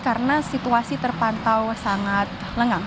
karena situasi terpantau sangat lengang